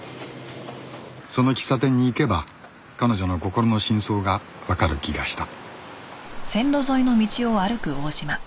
その喫茶店に行けば彼女の心の真相がわかる気がした